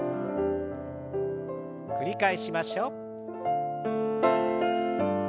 繰り返しましょう。